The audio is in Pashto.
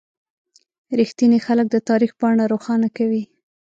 • رښتیني خلک د تاریخ پاڼه روښانه کوي.